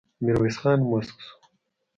ميرويس خان موسک شو.